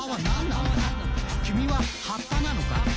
「きみは葉っぱなのか？」